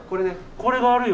これがあるよ。